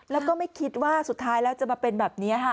แล้วก็ไม่คิดว่าสุดท้ายแล้วจะมาเป็นแบบนี้ค่ะ